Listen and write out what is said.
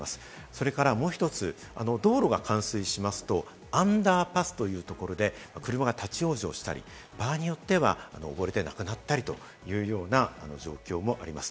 それからもう１つ、道路が冠水しますと、アンダーパスというところで車が立ち往生したり、場合によっては溺れて亡くなったりというような状況もあります。